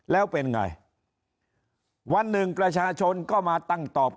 แล้วเป็นไงวันหนึ่งประชาชนก็มาตั้งตอบ